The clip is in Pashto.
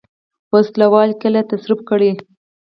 وسله وال یې کله تصرف کړي.